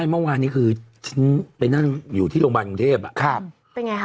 ไม่เมื่อวานนี้คือฉันไปนั่งอยู่ที่โรงพยาบาลกรุงเทพฯอะ